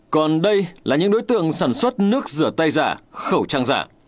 còn đây là những đối tượng sản xuất nước rửa tay giả khẩu trang giả